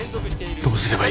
どうすればいい！？